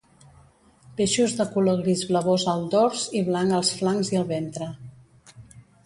Peixos de color gris blavós al dors i blanc als flancs i al ventre.